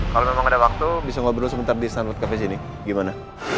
kalau memang ada waktu bisa ngobrol sebentar di stanford cafe sini gimana